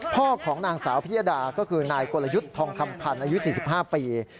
พ่อของนางสาวพิยดาก็คือนายกลยุทธ์ทองคำพันธ์อายุ๔๕ปี